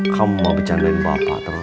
kamu mau bicarain bapak terus